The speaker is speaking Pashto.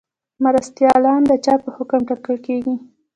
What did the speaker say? مرستیالان د چا په حکم ټاکل کیږي؟